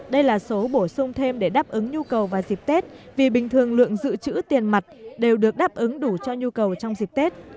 đây là số bổ sung thêm để đáp ứng nhu cầu vào dịp tết vì bình thường lượng dự trữ tiền mặt đều được đáp ứng đủ cho nhu cầu trong dịp tết